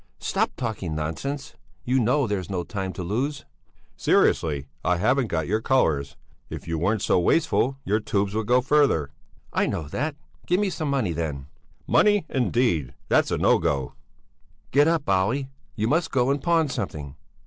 "Stop talking nonsense! You know there's no time to lose!" "Seriously, I haven't got your colours. If you weren't so wasteful your tubes would go further." "I know that! Give me some money, then!" "Money, indeed! That's no go!" "Get up, Olle! You must go and pawn something."